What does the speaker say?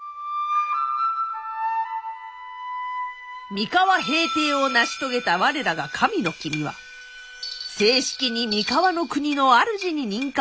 三河平定を成し遂げた我らが神の君は正式に三河国の主に任官されることに。